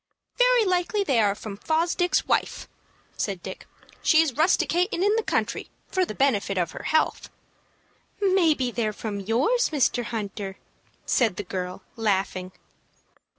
"Very likely they are from Fosdick's wife," said Dick. "She's rusticatin' in the country for the benefit of her health." "Maybe they're from yours, Mr. Hunter," said the girl, laughing.